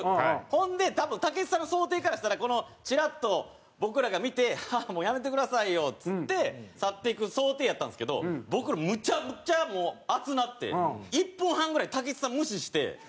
ほんで多分武智さんの想定からしたらチラッと僕らが見て「もうやめてくださいよ」っつって去っていく想定やったんですけど僕らむちゃくちゃもう熱なって１分半ぐらい武智さん無視して。